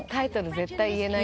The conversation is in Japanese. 絶対言えない。